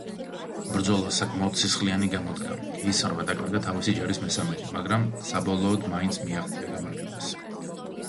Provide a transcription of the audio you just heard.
ბრძოლა საკმად სისხლიანი გამოდგა, კეისარმა დაკარგა თავისი ჯარის მესამედი, მაგრამ საბოლოოდ მაინც მიაღწია გამარჯვებას.